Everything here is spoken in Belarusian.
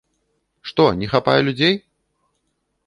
Што, не хапае людзей?